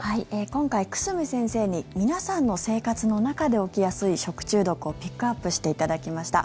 今回、久住先生に皆さんの生活の中で起きやすい食中毒をピックアップしていただきました